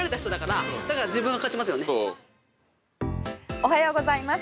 おはようございます。